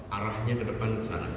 arahnya ke depan ke sana